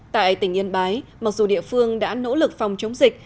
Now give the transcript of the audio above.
tại tỉnh yên bái mặc dù địa phương đã nỗ lực phòng chống dịch